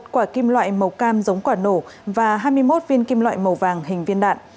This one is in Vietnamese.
một quả kim loại màu cam giống quả nổ và hai mươi một viên kim loại màu vàng hình viên đạn